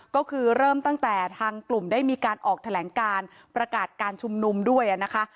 ก็คือเริ่มตั้งแต่ทางกลุ่มได้มีการออกแถลงการประกาศการชุมนุมด้วยนะคะ